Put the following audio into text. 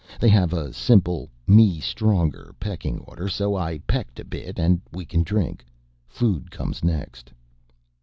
They have a simple me stronger pecking order so I pecked a bit and we can drink. Food comes next."